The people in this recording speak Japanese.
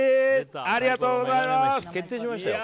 ありがとうございます。